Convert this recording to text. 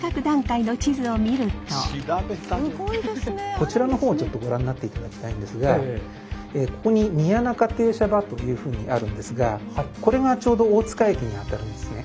こちらの方をちょっとご覧になっていただきたいんですがここに宮仲停車場というふうにあるんですがこれがちょうど大塚駅にあたるんですね。